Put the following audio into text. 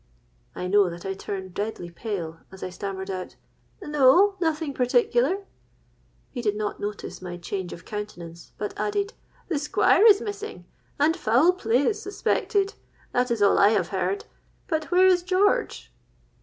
'—I know that I turned deadly pale, as I stammered out, 'No, nothing particular.'—He did not notice my change of countenance, but added, 'The Squire is missing, and foul play is suspected. That is all I have heard. But where is George?'